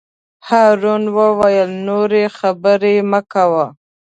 هارون وویل: نورې خبرې مه کوه.